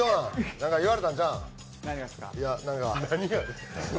なんか言われたんちゃうん？